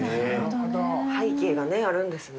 背景がねあるんですね。